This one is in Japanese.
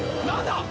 何だ！？